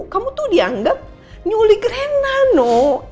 kamu tuh dianggap nyulik rena no